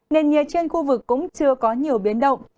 nền nhiệt trên khu vực cũng chưa có nhiều biến động